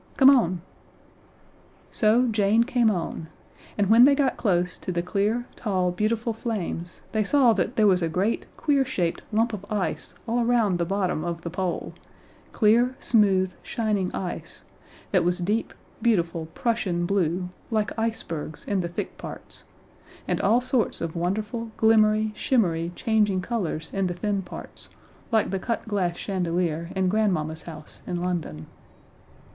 Come on." So Jane came on; and when they got close to the clear, tall, beautiful flames they saw that there was a great, queer shaped lump of ice all around the bottom of the Pole clear, smooth, shining ice, that was deep, beautiful Prussian blue, like icebergs, in the thick parts, and all sorts of wonderful, glimmery, shimmery, changing colors in the thin parts, like the cut glass chandelier in Grandmamma's house in London.